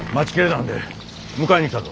なんで迎えに来たぞ。